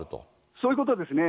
そういうことですね。